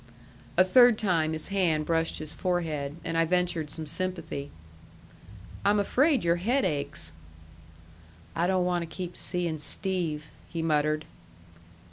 A third time his hand brushed his forehead, and I ventured some sympathy. "I'm afraid your head aches." "I don't want to keep seeing Steve," he muttered.